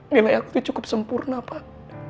nilai aku itu cukup sempurna pak